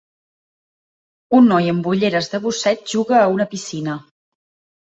Un noi amb ulleres de busseig juga a una piscina.